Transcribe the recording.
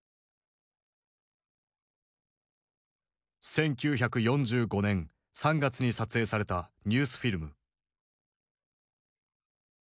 １９４５年３月に撮影されたニュースフィルム。